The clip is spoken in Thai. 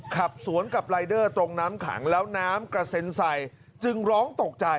ขับสวนกับรายเดอร์ตรงน้ำขังแล้วน้ำกระเซ็นใส่จึงร้องตกใจ